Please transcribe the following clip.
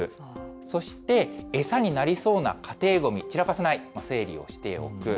そして餌になりそうな家庭ごみ、散らかさない、整理をしておく。